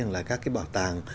là các cái bảo tàng